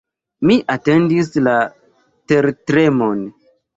Mi atendis la tertremon.